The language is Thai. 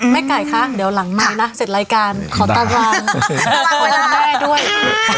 แม่ไก่คะเดี๋ยวหลังไม้นะเสร็จรายการขอตั้งวัน